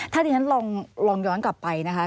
ถ้าอย่างนั้นลองย้อนกลับไปนะคะ